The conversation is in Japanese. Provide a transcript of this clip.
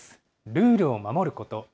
ルールを守ること。